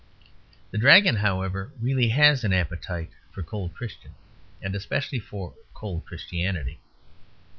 The Dragon, however, really has an appetite for cold Christian and especially for cold Christianity.